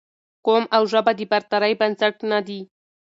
قوم او ژبه د برترۍ بنسټ نه دي